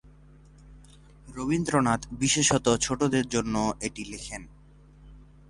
রবীন্দ্রনাথ বিশেষত ছোটদের জন্য এটি লিখেন।